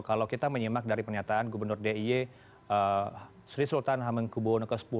kalau kita menyimak dari pernyataan gubernur d i y sri sultan hamengkubo no sepuluh